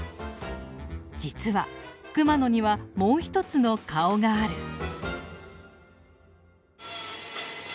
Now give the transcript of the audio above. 実は熊野にはもう一つの顔がある。